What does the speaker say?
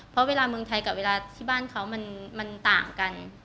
เพราะเวลาเมืองไทยกับเวลาที่บ้านเขามันต่างกัน